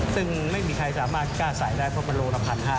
ซึ่งไม่มีใครสามารถกล้าใส่ได้เพราะมันโลละ๑๕๐๐